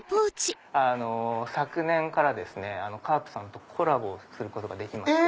昨年からカープさんとコラボすることができまして。